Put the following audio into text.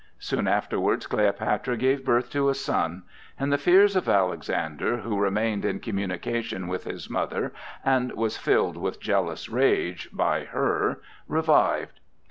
Soon afterwards, Cleopatra gave birth to a son; and the fears of Alexander, who remained in communication with his mother and was filled with jealous rage by her, revived.